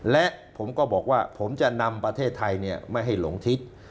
และผมก็บอกว่าผมจะนำประเทศไทยไม่ให้หลงทิศ